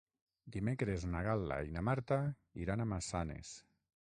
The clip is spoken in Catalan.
Dimecres na Gal·la i na Marta iran a Massanes.